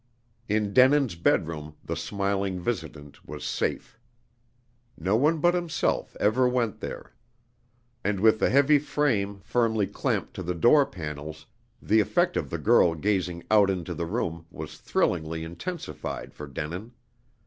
In Denin's bedroom the smiling visitant was safe. No one but himself ever went there. And with the heavy frame firmly clamped to the door panels, the effect of the girl gazing out into the room was thrillingly intensified for Denin.